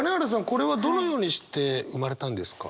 これはどのようにして生まれたんですか？